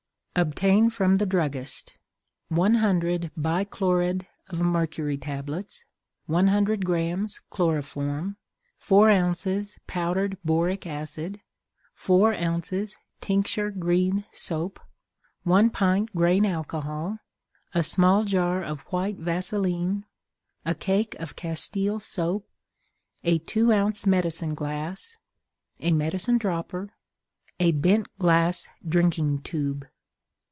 Obtain from the Druggist: 100 Bichlorid of Mercury Tablets. 100 grams Chloroform. 4 ounces Powdered Boric Acid. 4 ounces Tincture Green Soap. 1 pint Grain Alcohol. A small jar of White Vaselin. A cake of Castile Soap. A two ounce Medicine Glass. A Medicine Dropper. A bent glass Drinking Tube.